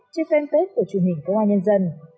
trên fanpage của truyền hình công an nhân dân